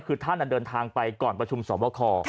คือท่านเดินทางไปก่อนประชุมสอบคอ